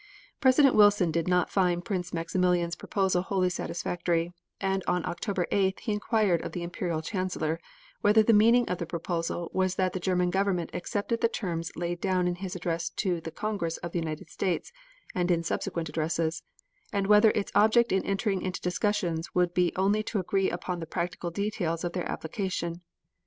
President Wilson did not find Prince Maximilian's proposal wholly satisfactory, and on October 8th, he inquired of the Imperial Chancellor whether the meaning of the proposal was that the German Government accepted the terms laid down in his address to the Congress of the United States and in subsequent addresses; and whether its object in entering into discussions would be only to agree upon the practical details of their application.